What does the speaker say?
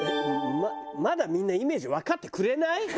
まだみんなイメージわかってくれない？